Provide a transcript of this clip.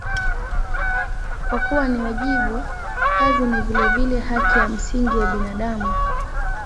Kwa kuwa ni wajibu, kazi ni vilevile haki ya msingi ya binadamu.